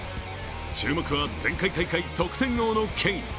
注目は前回大会得点王のケイン。